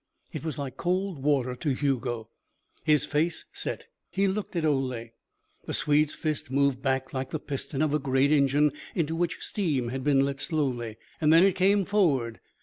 It was like cold water to Hugo. His face set. He looked at Ole. The Swede's fist moved back like the piston of a great engine into which steam has been let slowly. Then it came forward.